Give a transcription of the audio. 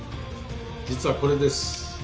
実はこれです。